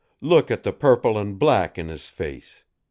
Look at the purple and black in his face.